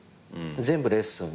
全部レッスン。